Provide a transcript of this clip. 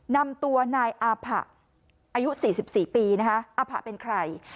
นำตัวนายอาผะอายุ๔๔ปีนะคะอาผะเป็นใคร